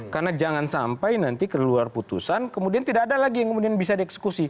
karena jangan sampai nanti keluar putusan kemudian tidak ada lagi yang kemudian bisa dieksekusi